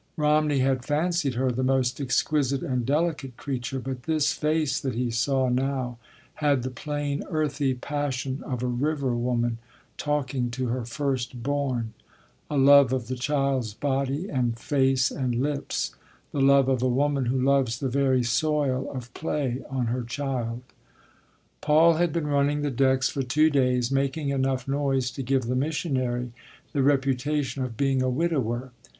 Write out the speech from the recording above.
Romney had fancied her the most exquisite and delicate creature, but this face that he saw now had the plain earthy passion of a river woman talking to her first born—a love of the child’s body and face and lips, the love of a woman who loves the very soil of play on her child. Paul had been running the decks for two days, making enough noise to give the missionary the reputation of being a widower.